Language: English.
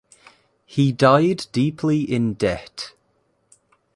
He died deeply in debt.